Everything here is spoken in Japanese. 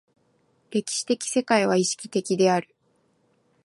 歴史的世界は意識的である。